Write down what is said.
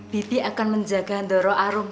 bibi akan menjaga doro arum